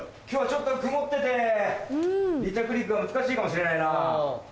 今日はちょっと曇ってて離着陸が難しいかもしれないな。